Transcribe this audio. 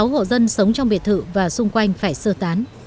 sáu mươi sáu hộ dân sống trong biệt thự và xung quanh phải sơ tán